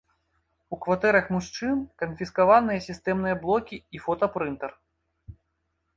У кватэрах мужчын канфіскаваныя сістэмныя блокі і фотапрынтэр.